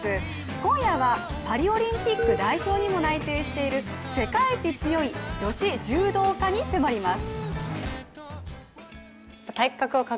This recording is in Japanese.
今夜は、パリオリンピック代表にも内定している世界一強い女子柔道家に迫ります。